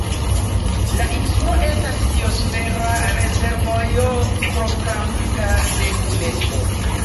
La insulo estas Biosfera rezervejo proklamita de Unesko.